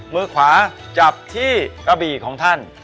มือขวาจับที่กระบี่ของท่าน